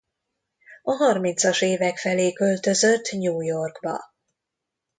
A harmincas évek vége felé költözött New Yorkba.